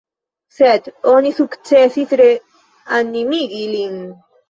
Sed oni sukcesis reanimigi lin.